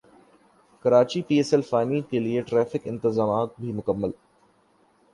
Karachi P S L final کیلئے traffic انتظامات بھی مکمل